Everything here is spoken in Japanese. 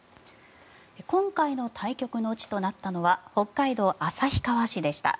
今回の対局の地となったのは北海道旭川市でした。